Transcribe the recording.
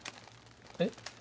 えっ？